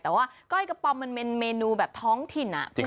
แต่ว่าก้อยกระป๋อมมันเป็นเมนูแบบท้องถิ่น